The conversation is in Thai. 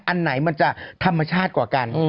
อันไหนมันจะธรรมชาติกว่ากัน